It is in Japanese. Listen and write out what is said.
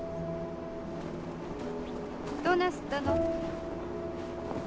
どうなすったの？